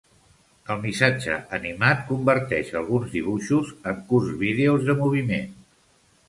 El Missatge Animat converteix alguns dibuixos en curts vídeos de moviment.